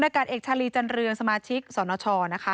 พนักการณ์เอกชาลีจันรื่องสมาชิกสรณชอนะคะ